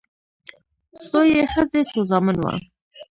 څو يې ښځې څو زامن وه